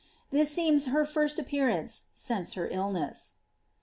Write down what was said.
'' This seems her first appearance since her ifinese.